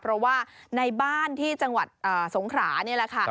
เพราะว่าในบ้านที่จังหวัดสงขรานี่แหละค่ะ